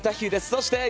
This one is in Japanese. そして。